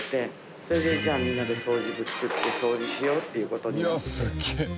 それでじゃあみんなで掃除部を作って掃除しようっていう事になって。